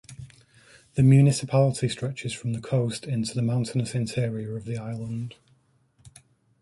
The municipality stretches from the coast into the mountainous interior of the island.